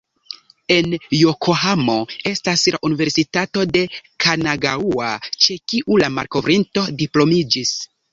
En Jokohamo estas la Universitato de Kanagaŭa, ĉe kiu la malkovrinto diplomiĝis.